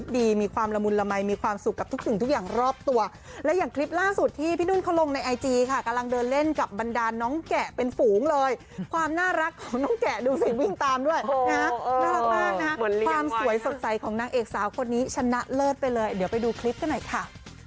น่ารักมากนะความสวยสนใจของนางเอกสาวคนนี้ชนะเลิศไปเลยเดี๋ยวไปดูคลิปกันหน่อยค่ะ